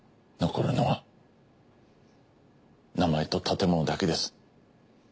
残るのは名前と建物だけです。